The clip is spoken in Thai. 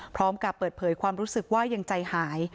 พร้อมกับเปิดเผยความรู้สึกว่ายังใจหาย